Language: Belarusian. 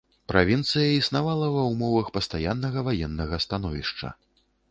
Правінцыя існавала ва ўмовах пастаяннага ваеннага становішча.